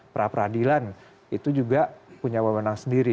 peradilan itu juga punya pemenang sendiri